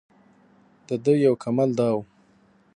دده یو کمال دا و.